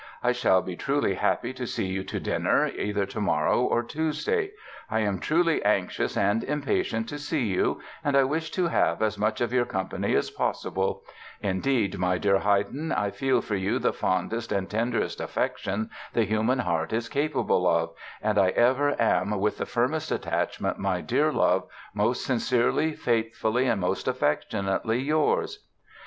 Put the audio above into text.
I shall be truly happy to see you to dinner, either tomorrow or Tuesday.... I am truly anxious and impatient to see you and I wish to have as much of your company as possible; indeed my dear Haydn I feel for you the fondest and tenderest affection the human heart is capable of, and I ever am with the firmest attachment my Dear Love, most Sincerely, Faithfully and most affectionately Yours...".